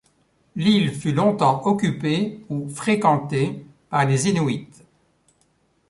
L'île fut longtemps occupée ou fréquentée par les Inuits.